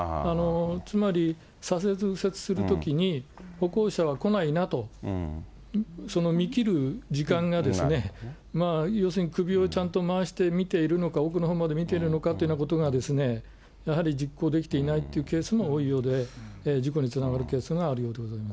つまり左折、右折するときに、歩行者は来ないなと、その見切る時間がですね、要するに首をちゃんと回して見ているのか、奥のほうまで見ているのかというようなことが、やはり実行できていないというケースも多いようで、事故につながるケースがあるように思います。